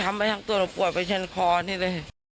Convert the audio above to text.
มาทั้งตัวหนูปวดเป็นตัวข้ออันนี้เลย